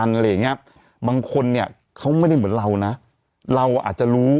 อะไรอย่างเงี้ยบางคนเนี่ยเขาไม่ได้เหมือนเรานะเราอ่ะอาจจะรู้